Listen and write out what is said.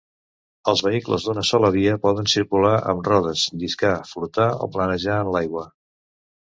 Els vehicles d'una sola via poden circular amb rodes, lliscar, flotar o planejar en l'aigua.